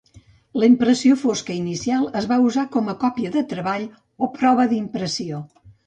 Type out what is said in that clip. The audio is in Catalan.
La impressió fosca inicial es va usar com a còpia de treball o prova d'impressió.